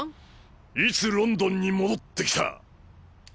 いつロンドンに戻って来た？